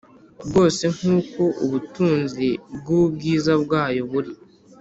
bwose nk uko ubutunzi bw ubwiza bwayo buri